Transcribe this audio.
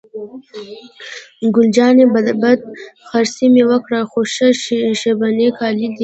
ګل جانې: بد خرڅي مې وکړل، خو ښه شبني کالي دي.